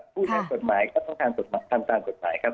ในกฎหมายก็ต้องทำตามกฎหมายครับ